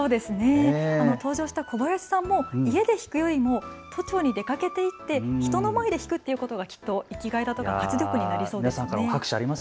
登場した小林さんも家で弾くよりも都庁に出かけていって人の前で弾くということがきっと生きがいだったり活力にもなりそうですよね。